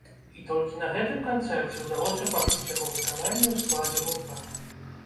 І толькі на гэтым канцэрце ўдалося пачуць яго выкананне ў складзе гурта.